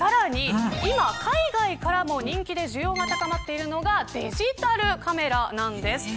今、海外からも人気で需要が高まっているのがデジタルカメラなんです。